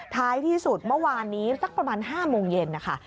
ท้ายที่สุดเมื่อวานนี้สักประมาณ๕โมงเย็นนะคะ